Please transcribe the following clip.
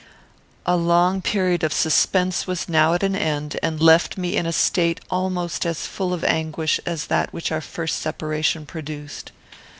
"A long period of suspense was now at an end, and left me in a state almost as full of anguish as that which our first separation produced.